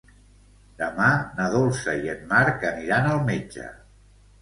Demà na Dolça i en Marc aniran al metge.